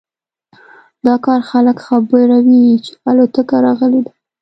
دا کار خلک خبروي چې الوتکه راغلی ده